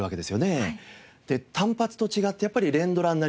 で単発と違ってやっぱり連ドラになりますね。